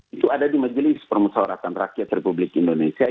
itu ada di majelis permusawaratan rakyat republik indonesia